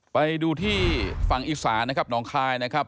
ไปดูที่ฝั่งอีสานนะครับหนองคายนะครับ